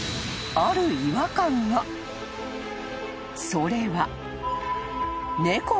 ［それは］